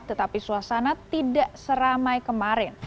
tetapi suasana tidak seramai kemarin